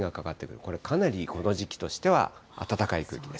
これ、かなりこの時期としては暖かい空気です。